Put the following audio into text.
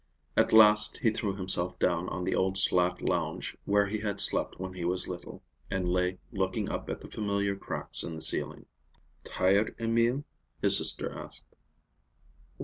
At last he threw himself down on the old slat lounge where he had slept when he was little, and lay looking up at the familiar cracks in the ceiling. "Tired, Emil?" his sister asked.